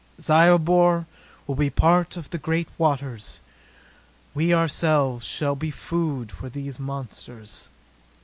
"Zyobor will be a part of the great waters. We ourselves shall be food for these monsters...."